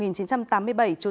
trú tại tp vĩnh long